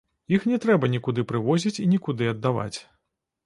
Іх не трэба нікуды прывозіць і нікуды аддаваць.